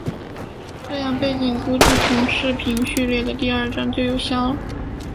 这样背景估计从视频序列的第二帧就有效了。